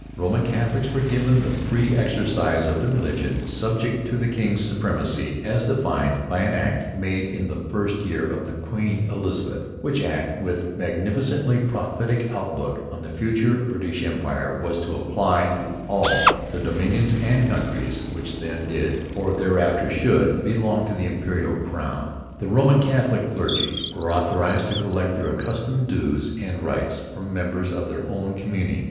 Roman Catholics were given 'the free Exercise' of their religion, 'subject to the King's Supremacy' as defined 'by an Act made in the First Year of Queen Elizabeth,' which Act, with a magnificently prophetic outlook on the future British Empire, was to apply to 'all the Dominions and Countries which then did, or thereafter should, belong to the Imperial Crown.' The Roman Catholic clergy were authorized to collect 'their accustomed Dues and Rights' from members of their own communion.